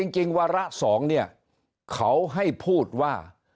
วาระ๒เนี่ยเขาให้พูดว่า